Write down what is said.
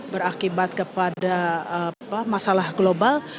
berakibat kepada masalah global